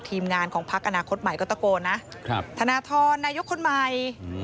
ทีมงานของพักอนาคตใหม่ก็ตะโกนนะธนทรนายกคนใหม่